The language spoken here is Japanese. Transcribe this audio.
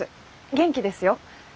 元気ですよ。